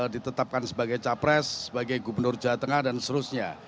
ditetapkan sebagai capres sebagai gubernur jawa tengah dan seterusnya